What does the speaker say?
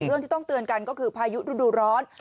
เรื่องที่ต้องเตือนกันก็คือพายุฤดูร้อน